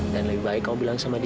dan lebih baik kamu bilang sama dia